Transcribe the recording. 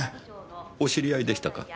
お知り合いでしたか。